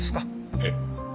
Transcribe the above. ええ。